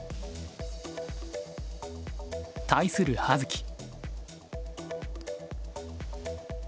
対する葉月。